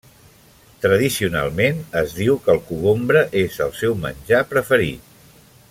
Tradicionalment es diu que el cogombre és el seu menjar preferit.